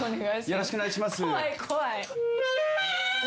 よろしくお願いします。